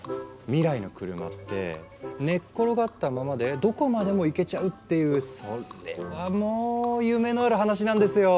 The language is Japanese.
未来の車って寝っ転がったままでどこまでも行けちゃうっていうそれはもう夢のある話なんですよ。